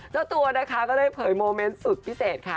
เจ้าตัวนะคะก็ได้เผยโมเมนต์สุดพิเศษค่ะ